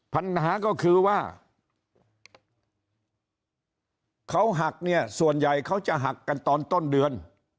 ปัญหาก็คือว่าเขาหักเนี่ยส่วนใหญ่เขาจะหักกันตอนต้นเดือน